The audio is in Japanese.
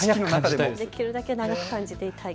できるだけ長く感じていたい。